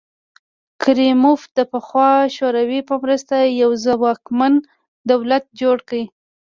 کریموف د پخوا شوروي په مرسته یو ځواکمن دولت جوړ کړ.